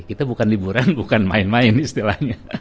kita bukan liburan bukan main main istilahnya